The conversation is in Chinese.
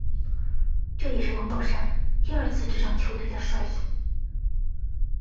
这也是王宝山第二次执掌球队的帅印。